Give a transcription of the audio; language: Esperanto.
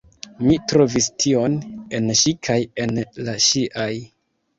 Mi trovis tion en ŝi kaj en la ŝiaj.